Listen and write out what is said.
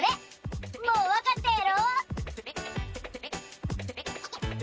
もうわかったやろ？